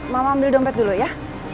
mama ambil dompet dulu ya